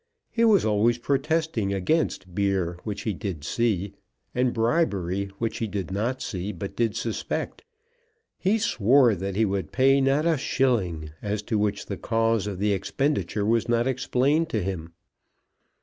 He was always protesting against beer which he did see, and bribery which he did not see but did suspect. He swore that he would pay not a shilling, as to which the cause of the expenditure was not explained to him.